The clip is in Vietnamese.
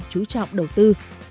trú trọng đầu tư